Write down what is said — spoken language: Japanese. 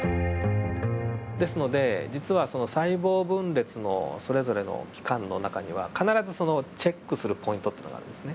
ですので実はその細胞分裂のそれぞれの期間の中には必ずそのチェックするポイントというのがあるんですね。